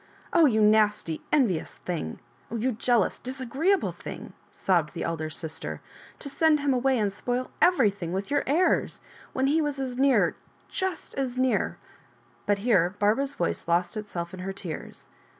" Oh, you nasty envious thing! oh, you jealous, dyaagreeable thing I" gobbed the elder sister; " to send him away and spoil everything with your airs! when he was as near— just as near" — but here Barbara's voice lost itself in her tears.'